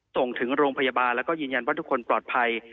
ส่งถึงโรงพยาบาลแล้วก็ยืนยันว่าทุกคนปลอดภัย